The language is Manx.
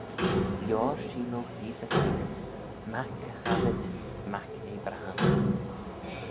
Lioar sheeloghe Yeesey Creest, mac Ghavid, mac Abraham.